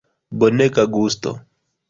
Bonega gusto!